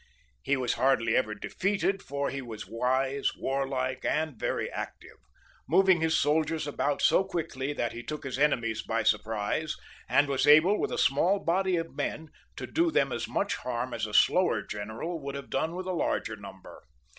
He was hardly ever defeated, for he was wise, warlike, and very active, moving his soldiers about so quickly that he took his enemies by surprise, and was able with a small body of men to do them as much harm as a slower general would have done with a larger number.